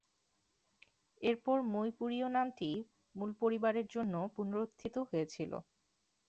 এরপর "মেইপুরীয়" নামটি মূল পরিবারের জন্য পুনরুত্থিত হয়েছিল।